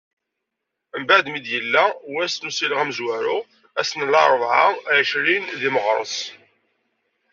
Mbeɛd mi d-yella wass n usileɣ amezwaru ass n larebɛa εecrin deg meɣres.